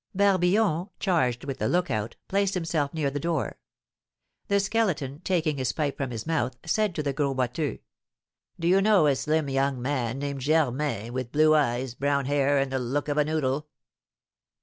Barbillon, charged with the look out, placed himself near the door. The Skeleton, taking his pipe from his mouth, said to the Gros Boiteux: "Do you know a slim young man named Germain, with blue eyes, brown hair, and the look of a noodle?"